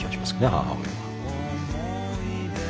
母親は。